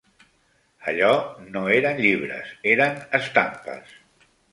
Allò no eren llibres, eren estampes